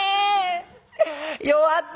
弱った」。